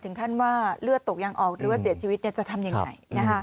ขั้นว่าเลือดตกยังออกหรือว่าเสียชีวิตจะทำยังไง